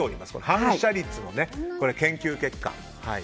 反射率の研究結果。